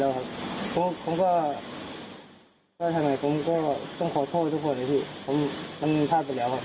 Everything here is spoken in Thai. แล้วมาพอกลอบอันนี้ก็เป็นเงีย